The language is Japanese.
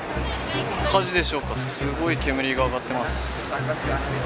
火事でしょうか、すごい煙が上がっています。